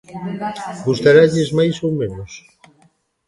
Gustaralles máis ou menos.